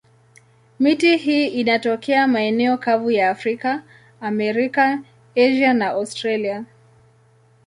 Miti hii inatokea maeneo kavu ya Afrika, Amerika, Asia na Australia.